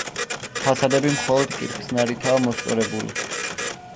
ფასადები მხოლოდ კირხსნარითაა მოსწორებული.